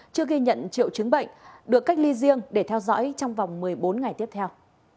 chưa ghi nhận triệu chứng bệnh được cách ly riêng để theo dõi trong vòng một mươi bốn ngày tiếp theo